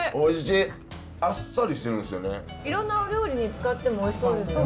いろんなお料理に使ってもおいしそうですよね。